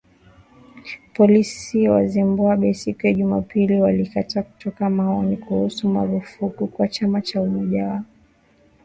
Polisi wa Zimbabwe, siku ya Jumapili walikataa kutoa maoni kuhusu marufuku kwa chama cha Umoja wa Wananchi wa Mabadiliko huko Marondera.